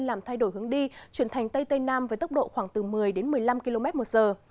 làm thay đổi hướng đi chuyển thành tây tây nam với tốc độ khoảng từ một mươi đến một mươi năm km một giờ